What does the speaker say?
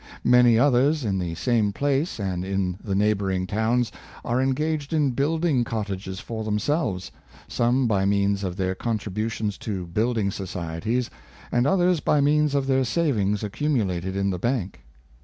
Many others, in the same place, and in the neighboring towns, are engaged in building cottages for themselves, some by means of their contributions to building societies, and others by means of their savings accumulated in the bank.